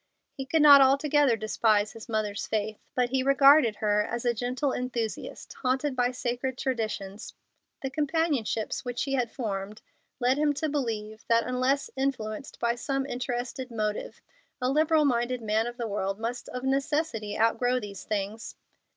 He could not altogether despise his mother's faith, but he regarded her as a gentle enthusiast haunted by sacred traditions. The companionships which he had formed led him to believe that unless influenced by some interested motive a liberal minded man of the world must of necessity outgrow these things.